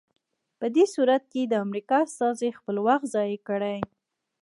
په دې صورت کې د امریکا استازي خپل وخت ضایع کړی.